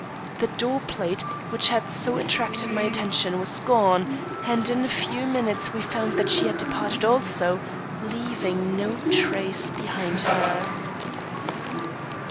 The doorplate, which had so attracted my attention, was gone, and in a few minutes we found that she had departed also, leaving no trace behind her.